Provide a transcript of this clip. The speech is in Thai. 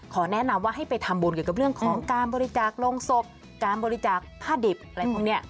แนะนำว่าให้ไปทำบุญเกี่ยวกับเรื่องของการบริจาคโรงศพการบริจาคผ้าดิบอะไรพวกนี้